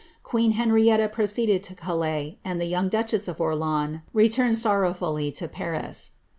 Queen Henrietta proceeded to Calais, and the young duchess of Orleans returned sorrowfully to Paris.